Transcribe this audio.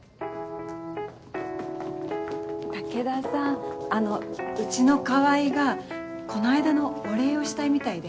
武田さんあのうちの川合がこの間のお礼をしたいみたいで。